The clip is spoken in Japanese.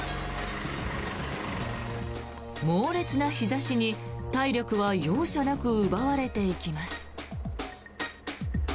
猛烈な日差しに、体力は容赦なく奪われていきます。